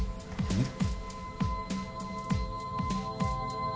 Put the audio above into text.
えっ？